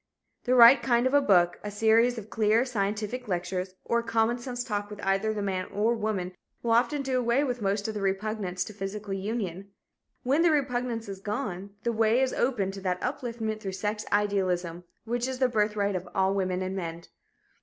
The right kind of a book, a series of clear, scientific lectures, or a common sense talk with either the man or woman will often do away with most of the repugnance to physical union. When the repugnance is gone, the way is open to that upliftment through sex idealism which is the birthright of all women and men.